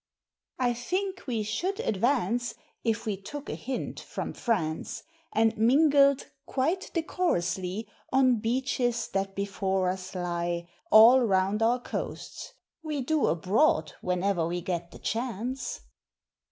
_ I think we should advance If we took a hint from France, And mingled (quite decorously) On beaches that before us lie All round our coasts we do abroad whene'er we get the chance!